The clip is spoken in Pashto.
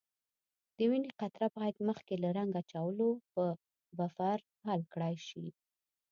د وینې قطره باید مخکې له رنګ اچولو په بفر حل کړای شي.